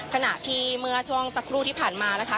ขณะที่เมื่อช่วงสักครู่ที่ผ่านมานะคะ